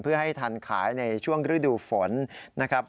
เพื่อให้ทันขายในช่วงฤดูฝนนะครับ